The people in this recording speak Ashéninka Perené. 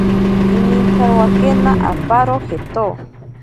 Imintsarowakena aparo jeto.